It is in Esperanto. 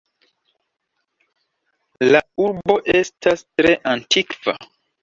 La urbo estas tre antikva.